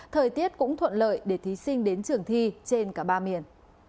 thời tiết cũng thuận lợi để thí sinh đến trường thi trên cả ba miền